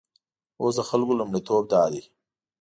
اوس د خلکو لومړیتوب دادی.